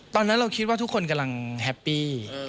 ตอนนั้นเราคิดว่าทุกคนกำลังแฮปปี้